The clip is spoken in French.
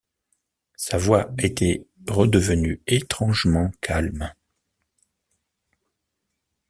Sa voix était redevenue étrangement calme.